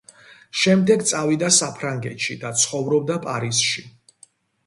შემდეგ წავიდა საფრანგეთში და ცხოვრობდა პარიზში.